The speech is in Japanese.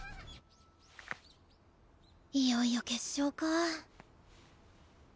いよいよ決勝か。